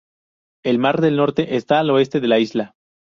El mar del Norte está al oeste de la isla.